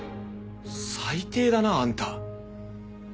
最低だなあんた。